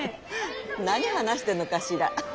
何話してるのかしら。